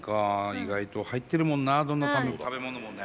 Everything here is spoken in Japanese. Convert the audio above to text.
意外と入ってるもんなどんな食べ物もね。